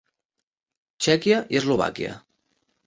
Txèquia i Eslovàquia.